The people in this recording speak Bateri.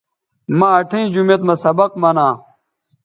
مہ اٹھئیں جومیت مہ سبق منا